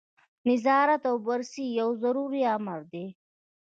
نظارت او بررسي یو ضروري امر دی.